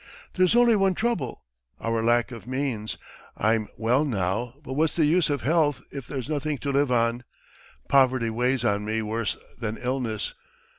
There's only one trouble, our lack of means. I'm well now, but what's the use of health if there's nothing to live on? Poverty weighs on me worse than illness.